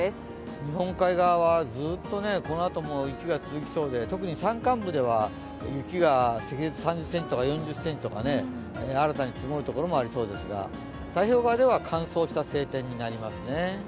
日本海側はずっとこのあとも雪が続きそうで特に山間部では雪が３０ｃｍとか４０ｃｍとか新たに積もる所もありそうですが、太平洋側では乾燥した晴天になりますね。